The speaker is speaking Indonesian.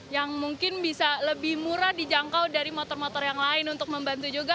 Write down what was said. yang mungkin bisa lebih murah dijangkau dari motor motor yang lain untuk membantu juga